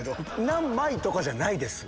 何枚とかじゃないです